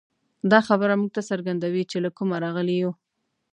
دا خبره موږ ته څرګندوي، چې له کومه راغلي یو.